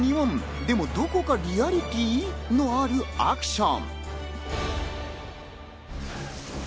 でもどこかリアリティ？のあるアクション。